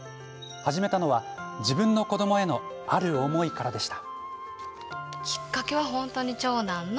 始めたのは自分の子どもへのある思いからでした。